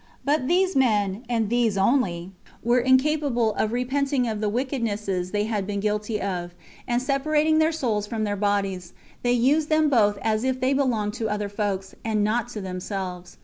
But these men, and these only, were incapable of repenting of the wickednesses they had been guilty of; and separating their souls from their bodies, they used them both as if they belonged to other folks, and not to themselves.